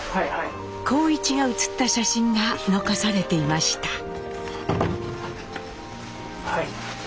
幸一が写った写真が残されていました。